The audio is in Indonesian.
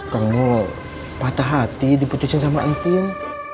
kamu patah hati diputusin sama tintin